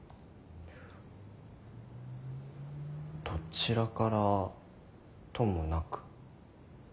どちらからともなく。